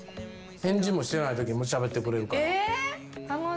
返事もしてないときもしゃべってくれるから。